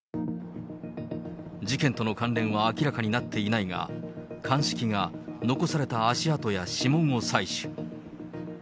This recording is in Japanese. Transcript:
事件との関連は明らかになっていないが、鑑識が残された足跡や指紋を採取。